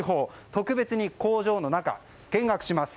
特別に工場の中見学します。